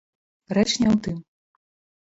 Рэч не ў тым.